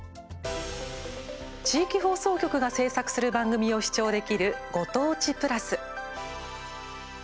地域放送局が制作する番組を視聴できる、ご当地プラス。